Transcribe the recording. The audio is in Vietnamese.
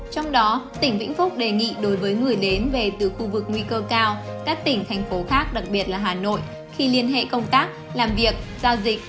trong đó tỉnh vĩnh phúc đề nghị đối với người đến về từ khu vực nguy cơ cao các tỉnh thành phố khác đặc biệt là hà nội khi liên hệ công tác làm việc giao dịch